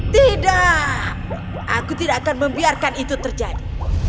tidak aku tidak akan membiarkan itu terjadi